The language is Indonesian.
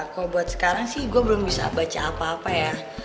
kalau buat sekarang sih gue belum bisa baca apa apa ya